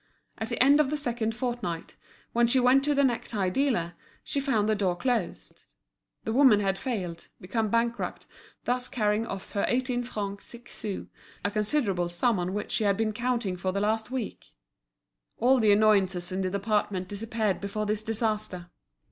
At the end of the second fortnight, when she went to the necktie dealer, she found the door closed; the woman had failed, become bankrupt, thus carrying off her eighteen francs six sous, a considerable sum on which she had been counting for the last week. All the annoyances in the department disappeared before this disaster.